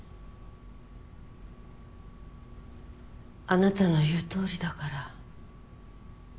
あなたの言う通りだから。